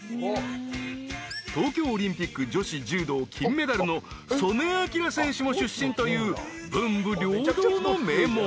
［東京オリンピック女子柔道金メダルの素根輝選手も出身という文武両道の名門］